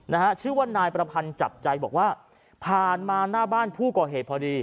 นะฮะชื่อว่านายประพันธ์จับใจบอกว่าผ่านมาหน้าบ้านผู้ก่อเหตุพอดี